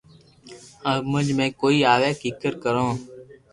ھمج مي ڪوئي آوي ڪيڪر ڪرو